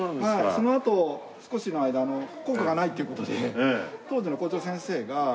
そのあと少しの間校歌がないっていう事で当時の校長先生が。